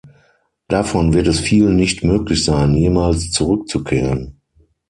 Davon wird es vielen nicht möglich sein, jemals zurückzukehren.